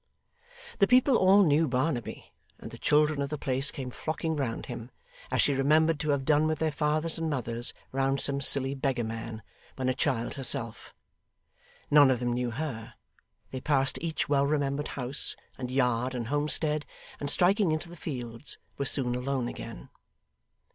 The people all knew Barnaby, and the children of the place came flocking round him as she remembered to have done with their fathers and mothers round some silly beggarman, when a child herself. None of them knew her; they passed each well remembered house, and yard, and homestead; and striking into the fields, were soon alone again.